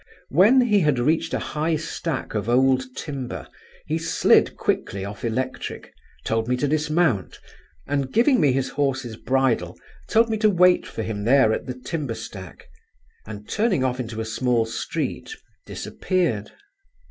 When he had reached a high stack of old timber, he slid quickly off Electric, told me to dismount, and giving me his horse's bridle, told me to wait for him there at the timber stack, and, turning off into a small street, disappeared.